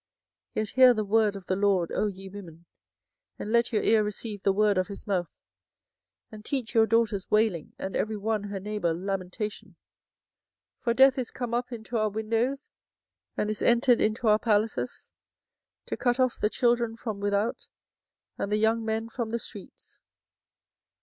24:009:020 Yet hear the word of the LORD, O ye women, and let your ear receive the word of his mouth, and teach your daughters wailing, and every one her neighbour lamentation. 24:009:021 For death is come up into our windows, and is entered into our palaces, to cut off the children from without, and the young men from the streets.